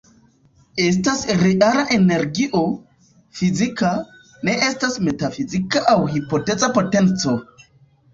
Estas reala energio, fizika; ne estas metafizika aŭ hipoteza potenco.